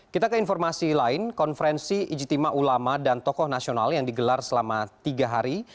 kita ke informasi lain konferensi ijitima ulama dan tokoh nasional yang digelar selama tiga hari